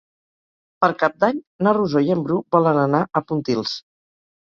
Per Cap d'Any na Rosó i en Bru volen anar a Pontils.